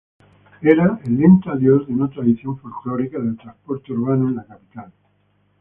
Era el lento adiós de una tradición "folclórica" del transporte urbano de la capital.